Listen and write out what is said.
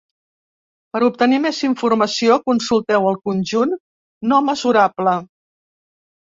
Per obtenir més informació, consulteu el conjunt no mesurable.